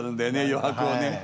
余白をね。